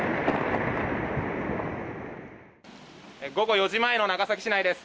午後４時前の長崎市内です。